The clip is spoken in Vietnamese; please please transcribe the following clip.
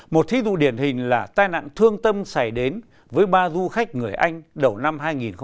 một thí dụ điển hình là tai nạn thương tâm xảy đến với ba du khách người anh đầu năm hai nghìn một mươi chín